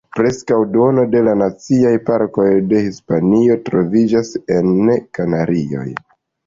Preskaŭ duono de la Naciaj Parkoj de Hispanio troviĝas en Kanarioj.